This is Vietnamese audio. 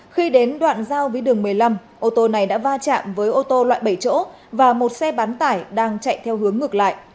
khi đến đoạn giao với đường một mươi năm ô tô này đã va chạm với ô tô loại bảy chỗ và một xe bán tải đang chạy theo hướng ngược lại